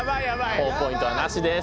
ほぉポイントはなしです。